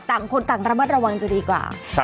ต่างคนต่างระมัดระวังจะดีกว่า